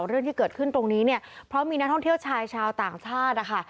เรื่องที่เกิดขึ้นตรงนี้เนี่ยเพราะมีนักท่องเที่ยวชายชาวต่างชาตินะคะ